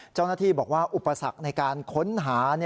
เจ้าหน้าที่บอกว่าอุปสรรคในการค้นหา